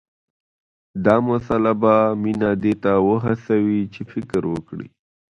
دا مسله به مينه دې ته وهڅوي چې فکر وکړي